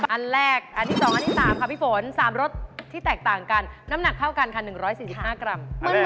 อันแรกอันที่๒อันที่๓ค่ะพี่ฝน๓รสที่แตกต่างกันน้ำหนักเท่ากันค่ะ๑๔๕กรัม